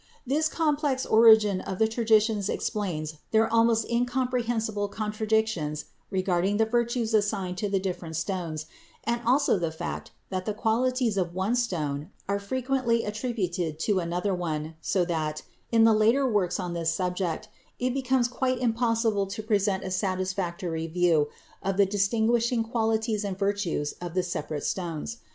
] This complex origin of the traditions explains their almost incomprehensible contradictions regarding the virtues assigned to the different stones, and also the fact that the qualities of one stone are frequently attributed to another one, so that, in the later works on this subject, it becomes quite impossible to present a satisfactory view of the distinguishing qualities and virtues of the separate stones.